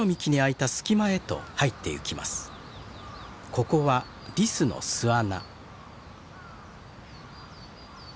ここはリスの巣穴。